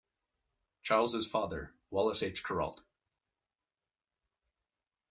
Charles' father, Wallace H. Kuralt.